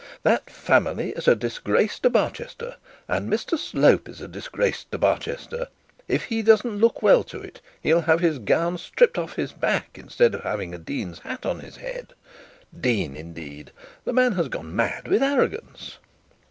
That family is a disgrace to Barchester, and Mr Slope is a disgrace to Barchester! If he doesn't look well to it, he'll have his gown stripped off his back instead of having a dean's hat on his head. Dean, indeed! The man has gone mad with arrogance.